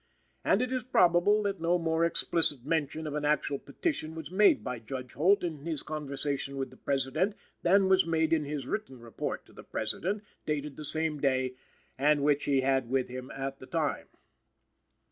And it is probable that no more explicit mention of an actual petition was made by Judge Holt in his conversation with the President than was made in his written report to the President, dated the same day, and which he had with him at the time.